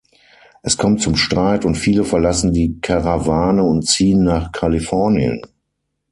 Es kommt zum Streit und viele verlassen die Karawane und ziehen nach Kalifornien.